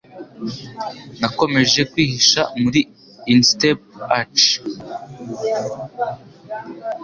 Nakomeje kwihisha muri instep arch